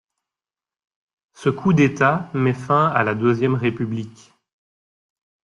Ce coup d'État met fin à la Deuxième République.